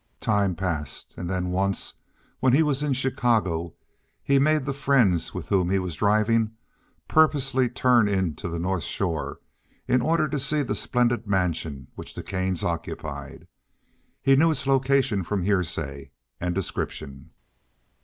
Time passed, and then once, when he was in Chicago, he made the friends with whom he was driving purposely turn into the North Shore in order to see the splendid mansion which the Kanes occupied. He knew its location from hearsay and description.